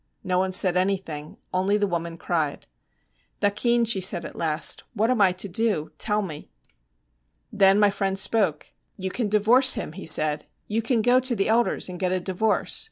No one said anything, only the woman cried. 'Thakin,' she said at last, 'what am I to do? Tell me.' Then my friend spoke. 'You can divorce him,' he said; 'you can go to the elders and get a divorce.